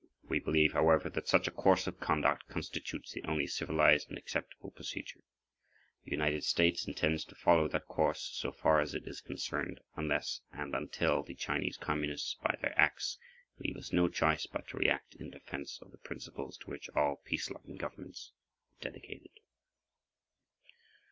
We believe, however, that such a course of conduct constitutes the only civilized and acceptable procedure. The United States intends to follow that course, so far as it is concerned, unless and until the Chinese Communists, by their acts, leave us no choice but to react in defense of the principles to which all peace loving governments are dedicated.